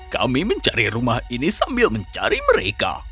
kami mencari rumah ini sambil mencari mereka